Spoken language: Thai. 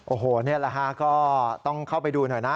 โอ้โหนี่แหละฮะก็ต้องเข้าไปดูหน่อยนะ